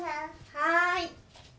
はい。